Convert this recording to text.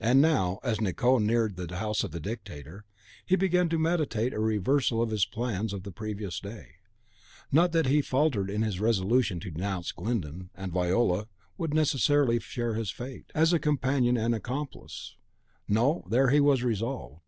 And now, as Nicot neared the house of the Dictator, he began to meditate a reversal of his plans of the previous day: not that he faltered in his resolution to denounce Glyndon, and Viola would necessarily share his fate, as a companion and accomplice, no, THERE he was resolved!